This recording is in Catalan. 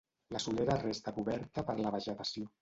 La solera resta coberta per la vegetació.